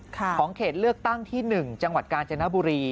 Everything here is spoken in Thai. ของเขตเลือกตั้งที่๑จังหวัดกาญจนบุรี